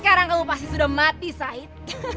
sekarang kamu pasti sudah mati said